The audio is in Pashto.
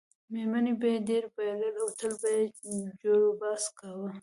میرمنې به یې ډېری بایلل او تل به یې جروبحث کاوه.